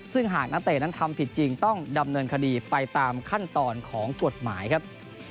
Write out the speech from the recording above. ซึ่งหากนักเตะนั้นทำผิดจริงต้องดำเนินคดีไปตามขั้นตอนของกฎหมายครับ